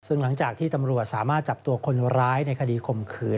ซึ่งหลังจากที่ตำรวจสามารถจับตัวคนร้ายในคดีข่มขืน